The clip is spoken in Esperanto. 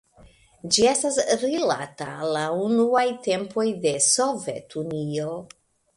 Ĝi estas rilata al la unuaj tempoj de Sovetunio.